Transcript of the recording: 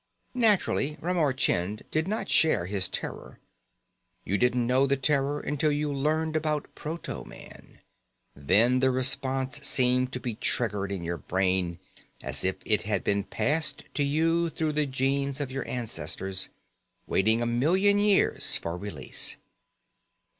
Naturally, Ramar Chind did not share his terror. You didn't know the terror until you learned about proto man; then the response seemed to be triggered in your brain, as if it had been passed to you through the genes of your ancestors, waiting a million years for release....